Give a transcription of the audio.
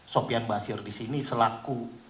sofian basir disini selaku